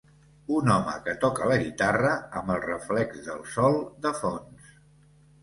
Un home que toca la guitarra amb el reflex del sol de fons